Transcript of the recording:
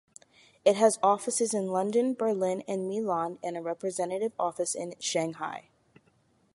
It has offices in London, Berlin and Milan and a representative office in Xangai.